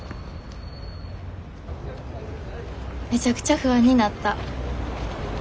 めちゃくちゃ不安になった。